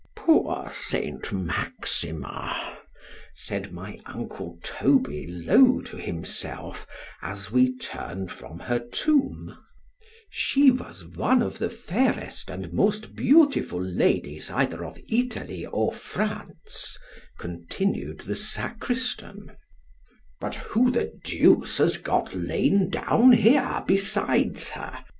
——Poor St. Maxima! said my uncle Toby low to himself, as we turn'd from her tomb: She was one of the fairest and most beautiful ladies either of Italy or France, continued the sacristan——But who the duce has got lain down here, besides her?